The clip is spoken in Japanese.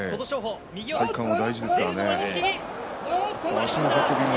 体幹は大事ですからね。